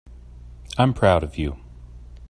I'm proud of you.